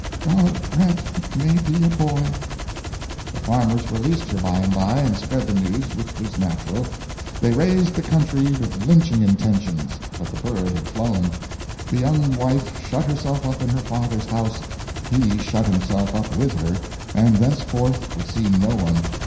God grant it may be a boy!" The farmers released her by and by and spread the news, which was natural. They raised the country with lynching intentions, but the bird had flown. The young wife shut herself up in her father's house; he shut himself up with her, and thenceforth would see no one.